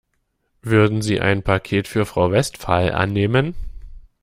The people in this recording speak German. Würden Sie ein Paket für Frau Westphal annehmen?